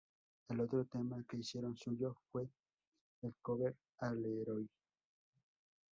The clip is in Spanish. El otro tema que hicieron suyo, fue el cover a "Leroy".